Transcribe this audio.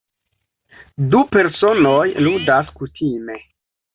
Du personoj ludas kutime.